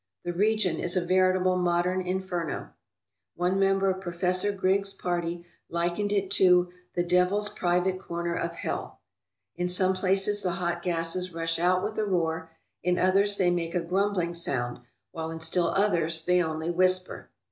The region is a veritable modern inferno. One member of Professor Griggs's party likened it to "the devil's private corner of hell/' In some places the hot gases rush out with a roar, in others they make a grum bling sound, while in still others they only whisper.